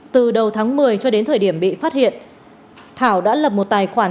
từ đầu tháng một mươi cho đến thời điểm bị phát hiện thảo đã lập một tài khoản